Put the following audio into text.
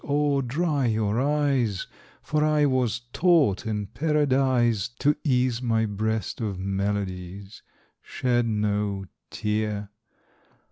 —O dry your eyes For I was taught in Paradise To ease my breast of melodies— Shed no tear!